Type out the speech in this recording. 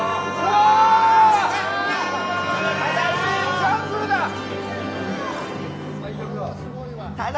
ジャングルだ！